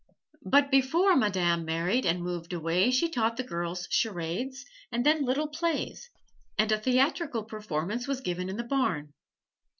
But before Madame married and moved away she taught the girls charades, and then little plays, and a theatrical performance was given in the barn.